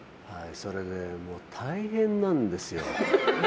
それでもう大変なんですよ。